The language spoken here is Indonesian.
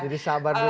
jadi sabar dulu ya